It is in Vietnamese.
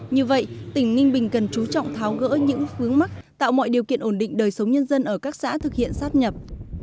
như vậy tỉnh ninh bình cần chú trọng tháo gỡ những vướng mắt tạo mọi điều kiện ổn định đời sống nhân dân ở các xã thực hiện sát nhập